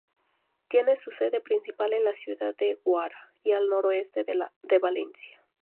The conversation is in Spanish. Tiene su sede principal en la ciudad de Guacara, y al noroeste de Valencia.